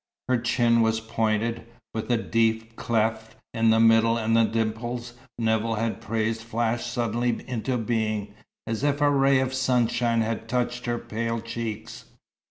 Her chin was pointed, with a deep cleft in the middle, and the dimples Nevill had praised flashed suddenly into being, as if a ray of sunshine had touched her pale cheeks.